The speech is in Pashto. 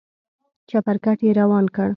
چپرکټ يې روان کړ.